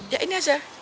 ya ini asal